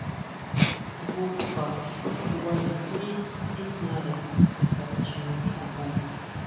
Jngu kjua chubanijmí tíjnare chuta chjine xojon.